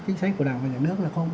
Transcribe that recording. chính sách của đảng và nhà nước là không